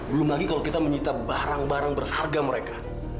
belum lagi kalau kita menyita barang barang berharga mereka